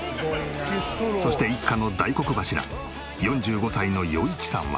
そして一家の大黒柱４５歳の余一さんは。